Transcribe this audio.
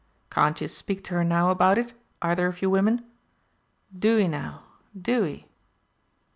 Can't ye speak to her now about it, either of you women? Doo'e now, doo'e."